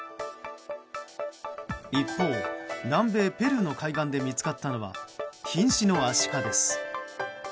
一方、南米ペルーの海岸で見つかったのは瀕死のアシカです。